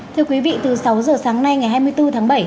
thưa quý vị từ sáu giờ sáng nay ngày hai mươi bốn tháng bảy